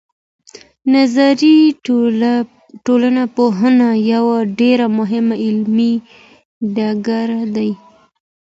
نظري ټولنپوهنه یو ډېر مهم علمي ډګر دی.